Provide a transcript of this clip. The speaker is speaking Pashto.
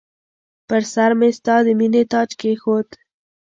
پر سرمې ستا د مییني تاج کښېښود